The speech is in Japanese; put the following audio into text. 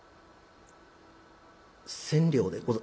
千両でござ」。